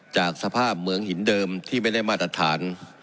จากสภาพเหมืองหินเดิมที่ไม่ได้มาตรฐาน